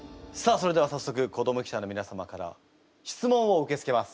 それでは早速子ども記者の皆様から質問を受け付けます。